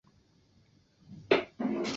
查询理解方法可用于标准化查询语言。